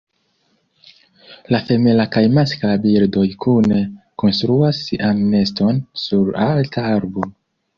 La femala kaj maskla birdoj kune konstruas sian neston sur alta arbo.